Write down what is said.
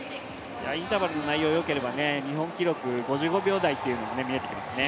インターバルの内容がよければ、日本記録５５秒台も見えてきますね。